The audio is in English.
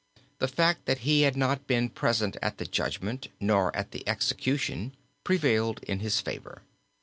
The fact that he had not been present at the judgment, nor at the execution, prevailed in his favour.